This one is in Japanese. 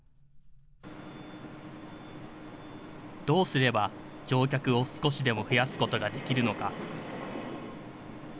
どうすれば乗客を少しでも増やすことができるのか。